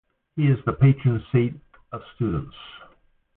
He is the patron saint of students.